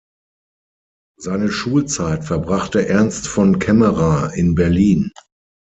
Seine Schulzeit verbrachte Ernst von Caemmerer in Berlin.